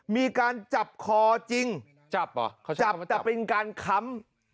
มีการจับคอจริงจับอ่ะเขาใช้คำว่าจับจับแต่เป็นการค้ำ